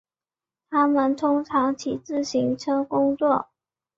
他们通常骑自行车工作。